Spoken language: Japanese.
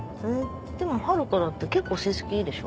でも遥だって結構成績いいでしょ？